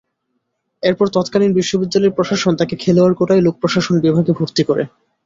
এরপর তৎকালীন বিশ্ববিদ্যালয় প্রশাসন তাঁকে খেলোয়াড় কোটায় লোকপ্রশাসন বিভাগে ভর্তি করে।